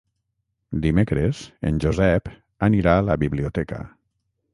Dimecres en Josep anirà a la biblioteca.